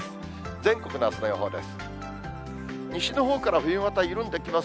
全国のあすの予報です。